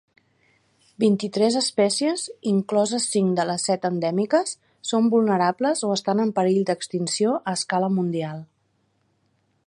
Vint-i-tres especies, incloses cinc de les set endèmiques, són vulnerables o estan en perill d"extinció a escala mundial.